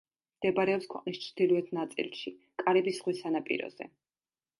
მდებარეობს ქვეყნის ჩრდილოეთ ნაწილში, კარიბის ზღვის სანაპიროზე.